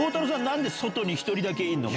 何で外に１人だけいるの？